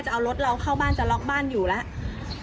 จะเอารถเราเข้าบ้านจะล็อกบ้านอยู่แล้ว